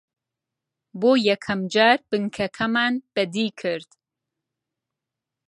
بۆ یەکەم جار بنکەکەمان بەدی کرد